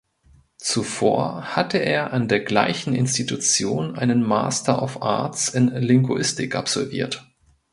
Zuvor hatte er an der gleichen Institution einen Master of Arts in Linguistik absolviert.